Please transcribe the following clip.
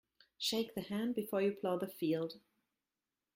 Shake the hand before you plough the field.